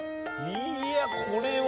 いやこれは。